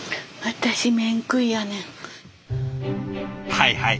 はいはい。